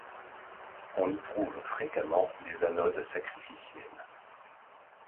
On y trouve fréquemment des anodes sacrificielles.